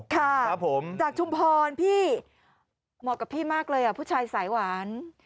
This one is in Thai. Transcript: ครับผมจากชุมพรพี่เหมาะกับพี่มากเลยผู้ชายสายหวาน